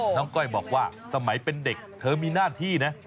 ก้อยบอกว่าสมัยเป็นเด็กเธอมีหน้าที่นะ